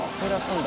うん。